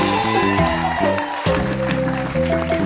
สวัสดีครับ